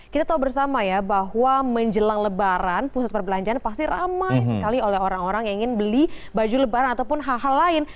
kita tahu bersama ya bahwa menjelang lebaran pusat perbelanjaan pasti ramai sekali oleh orang orang yang ingin beli baju lebaran ataupun hal hal lain